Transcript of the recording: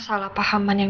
sampai jumpa lagi